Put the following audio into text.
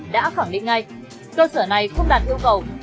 đã khẳng định ngay cơ sở này không đạt yêu cầu